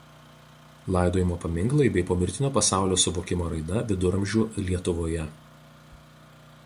Laidojimo paminklai bei pomirtinio pasaulio suvokimo raida viduramžių Lietuvoje.